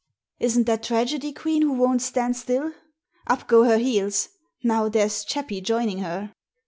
" Isn't that Tragedy Queen who won't stand still ? Up go her heels! Now there's Chappie joining her!"